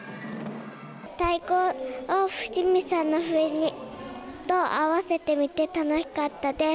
太鼓を伏見さんの笛と合わせてみて楽しかったです。